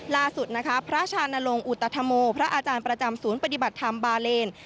ล่าสุดนะคะพระชานลงอุตธโมพระอาจารย์ประจำศูนย์ปฏิบัติธรรมบาเลน